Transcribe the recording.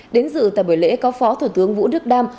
đến dự tại buổi lễ có phó thủ tướng vũ đức đam